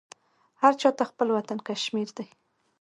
هرچاته خپل وطن کشمیردی